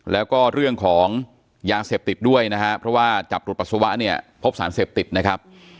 แล้วก็เรื่องของยาเสพติดด้วยนะฮะเพราะว่าจับตรวจปัสสาวะเนี่ยพบสารเสพติดนะครับ